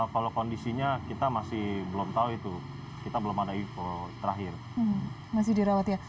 kalau kondisinya kita masih belum tahu itu kita belum ada info terakhir